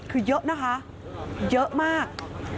คือเยอะนะคะเยอะมาก